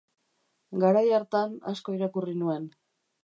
Garai hartan asko irakurri nuen.